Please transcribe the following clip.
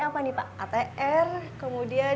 apa nih pak atr kemudian